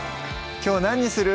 きょう何にする？